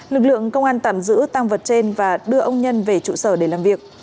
lực lượng công an tạm giữ tăng vật trên và đưa ông nhân về trụ sở để làm việc